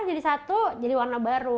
jadi satu jadi warna baru